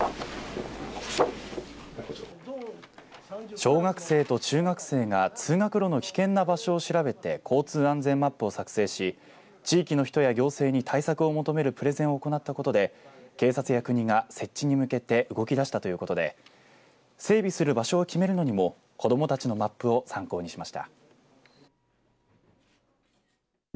小学生と中学生が通学路の危険な場所を調べて交通安全マップを作成し地域の人や行政に対策を求めるプレゼンを行ったことで警察や国が設置に向けて動き出したということで整備する場所を決めるのにも子どもたちのマップを参考にしました。